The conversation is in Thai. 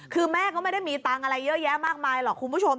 คือแม่ก็ไม่ได้มีตังค์อะไรเยอะแยะมากมายหรอกคุณผู้ชม